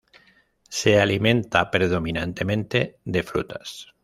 Se alimenta predominantemente de frutas.